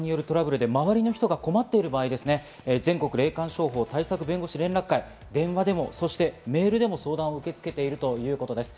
周りの人が困っている場合、全国霊感商法対策弁護士連絡会、電話でもメールでも相談を受け付けているということです。